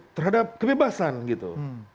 terhadap kebebasan gitu